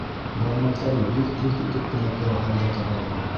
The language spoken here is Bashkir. Бармаҡтары елт-елт итеп кенә тора һалдат ағайҙың.